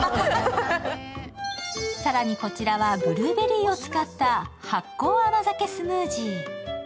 更にこちらはブルーベリーを使った醗酵甘酒スムージー。